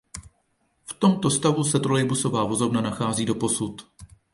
V tomto stavu se trolejbusová vozovna nachází doposud.